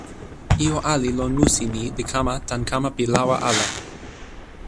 ijo ali lon musi ni li kama tan kama pi lawa ala.